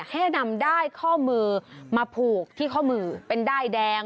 ให้นำด้ายข้อมือมาผูกที่ข้อมือเป็นด้ายแดง